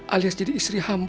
alias jadi istri hamba